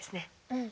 うん。